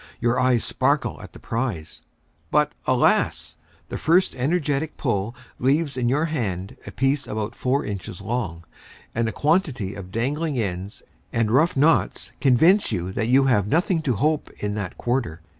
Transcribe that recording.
Your eyes sparkle at the prize; but, alas! the first energetic pull leaves in your hand a piece about four inches long, and a quantity of dangling ends and rough knots convince you that you have nothing to hope in that quarter.